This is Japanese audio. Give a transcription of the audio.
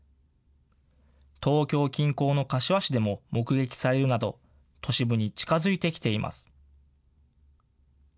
東京近郊の柏市でも目撃されるなど、都市部に近づいてきています。